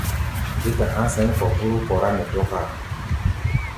Bé ta a̧á̧ sɛ̌n kɔ̧ bóró kɔrá nɛ dɔ́káa.